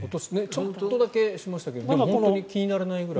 ちょっとだけしましたけど気にならないくらい。